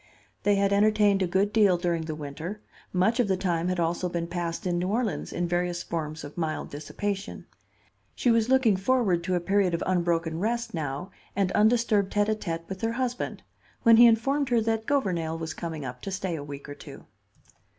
They had entertained a good deal during the winter; much of the time had also been passed in New Orleans in various forms of mild dissipation. She was looking forward to a period of unbroken rest, now, and undisturbed tête à tête with her husband, when he informed her that Gouvernail was coming up to stay a week or two.